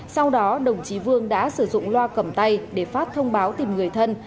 sau đó đồng chí vương đã sử dụng loa cầm tay để phát thông báo tìm người thân